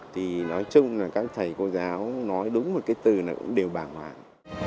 thì nói chung là các thầy cô giáo nói đúng một cái từ là cũng đều bàng hoàng